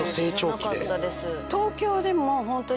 知らなかったです。